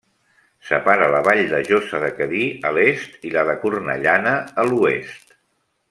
Separa la vall de Josa de Cadí, a l'est i la de Cornellana a l'oest.